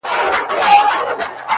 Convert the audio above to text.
کلونه کيږي چي يې زه د راتلو لارې څارم”